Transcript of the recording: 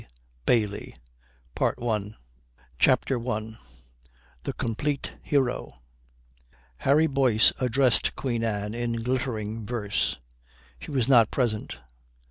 HARRY WAKES UP CHAPTER I THE COMPLETE HERO Harry Boyce addressed Queen Anne in glittering verse. She was not present.